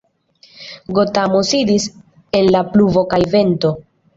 Gotamo sidis en la pluvo kaj vento.